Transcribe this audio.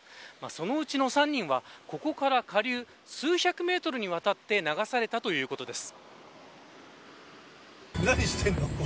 そのうちの３人はここから下流数百メートルにわたって流されたということです。